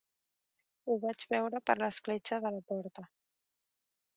Ho vaig veure per l'escletxa de la porta.